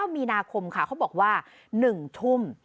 มีนาคมค่ะเขาบอกว่า๑ทุ่ม